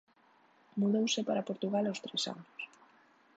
Mudouse para Portugal aos tres anos.